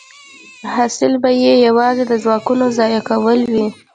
حاصل به یې یوازې د ځواکونو ضایع کول وي